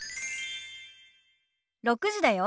６時だよ。